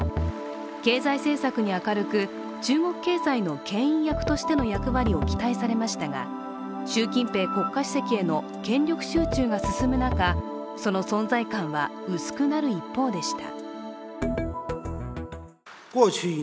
経済政策に明るく、中国経済の牽引役としての役割を期待されましたが習近平国家主席への権力集中が進む中、その存在感は薄くなる一方でした。